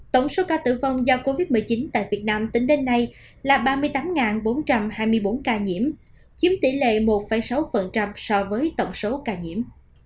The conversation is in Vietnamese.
tổng số ca tử vong do covid một mươi chín tại việt nam tính đến nay là ba mươi tám bốn trăm hai mươi bốn ca nhiễm chiếm tỷ lệ một sáu so với tổng số ca nhiễm